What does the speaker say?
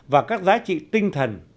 và các giá trị tinh thần